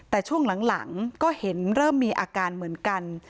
แต่ช่วงหลังก็เห็นเริ่มมีอาการเหมือนกัน